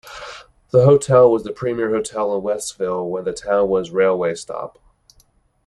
The hotel was the premiere hotel in Westville when the town was railway stop.